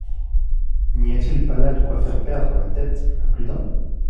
N’y a-t-il pas là de quoi faire perdre la tête à plus d’un ?